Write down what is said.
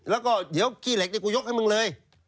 แล้วก็เดี๋ยวขี้เหล็กนี่กูยกให้มึงเลย